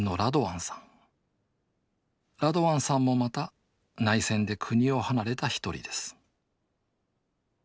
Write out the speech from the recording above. ラドワンさんもまた内戦で国を離れた一人です